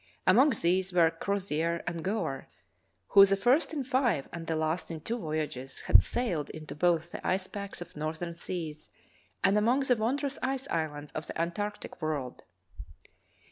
Among these were Crozier and Gore, who, the first in five and the last in two voyages, had sailed into both the ice packs of northern seas and among the wondrous ice islands of the antarctic world.